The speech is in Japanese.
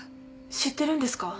知ってるんですか？